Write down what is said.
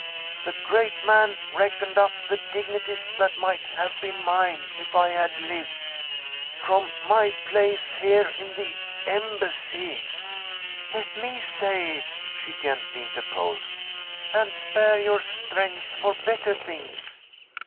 The great man reckoned up the dignities that might have been mine if I had lived. From my place here in the Embassy " "Let me say it," she gently interposed, "and spare your strength for better things.